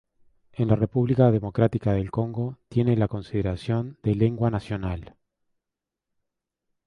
En la República Democrática del Congo tiene la consideración de "lengua nacional".